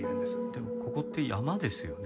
でもここって山ですよね？